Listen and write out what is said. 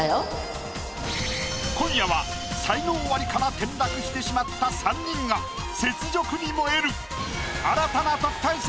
今夜は才能アリから転落してしまった三人が雪辱に燃える！